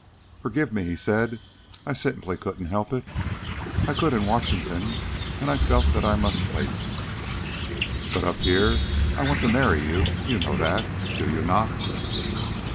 "Forgive me," he said. "I simply couldn't help it. I could in Washington, and I felt that I must wait. But up here I want to marry you. You know that, do you not?"